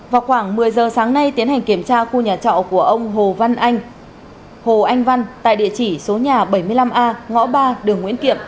vào khoảng một mươi giờ sáng nay tiến hành kiểm tra khu nhà trọ của ông hồ văn hồ anh văn tại địa chỉ số nhà bảy mươi năm a ngõ ba đường nguyễn kiệm